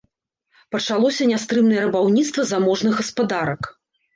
Пачалося нястрымнае рабаўніцтва заможных гаспадарак.